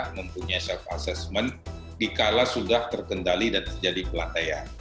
mempunyai self assessment dikala sudah terkendali dan terjadi pelandaian